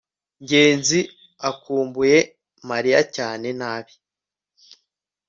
ngenzi akumbuye mariya cyane nabi